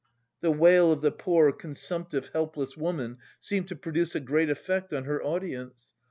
The wail of the poor, consumptive, helpless woman seemed to produce a great effect on her audience.